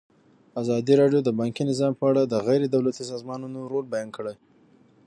ازادي راډیو د بانکي نظام په اړه د غیر دولتي سازمانونو رول بیان کړی.